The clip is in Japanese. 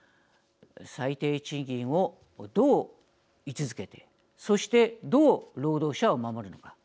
最低賃金をどう位置づけてそして、どう労働者を守るのか。